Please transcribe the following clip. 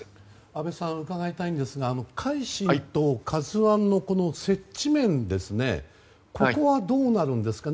安倍さん伺いたいんですが「海進」と「ＫＡＺＵ１」の接地面ですがここはどうなるんですか？